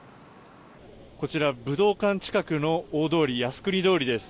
こちら武道館近くの大通り靖国通りです。